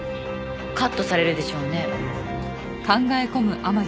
カットされるでしょうね。